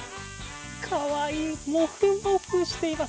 かわいい、もふもふしています。